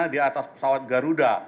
di atas pesawat garuda